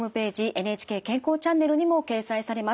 「ＮＨＫ健康チャンネル」にも掲載されます。